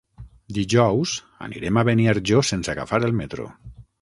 Dijous anirem a Beniarjó sense agafar el metro.